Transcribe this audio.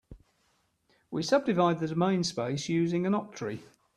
We subdivide the domain space using an octree.